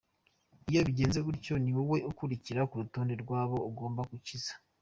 Iyo bigenze gutyo, ni wowe ukurikira ku rutonde rw’abo agomba kwikiza!